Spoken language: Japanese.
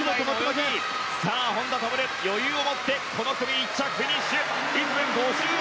本多灯、余裕を持ってこの組１着フィニッシュ。